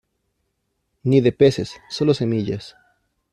ni de peces, solo semillas.